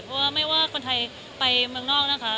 เพราะว่าไม่ว่าคนไทยไปเมืองนอกนะคะ